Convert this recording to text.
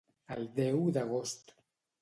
El deu d'agost.